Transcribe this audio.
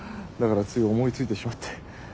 だからつい思いついてしまって。